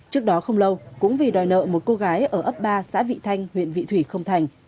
trước đó không lâu cũng vì đòi nợ một cô gái ở ấp ba xã vị thanh huyện vị thủy không thành